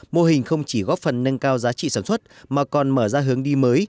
mô hình không chỉ góp phần nâng cao giá trị sản xuất mà còn mở ra hướng đi mới